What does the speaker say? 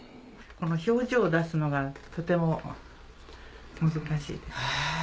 表情を出すのがとても難しいです。